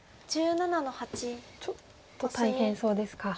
ちょっと大変そうですか。